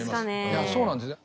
いやそうなんですよ。